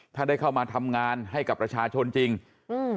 ถ้าได้เข้ามาทำงานให้กับประชาชนจริงอืม